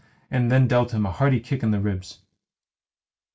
and then dealt him a hearty kick in the ribs.